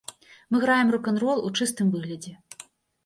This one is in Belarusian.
Мы граем рок-н-рол у чыстым выглядзе.